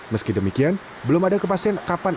meski demikian belum ada kepastian kapan akan diatur